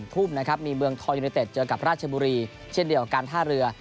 ๑ทุ่มมีเมืองทอลยูนิเต็ตเจอกับราชบุรีเช่นเดียวการท่าเรือ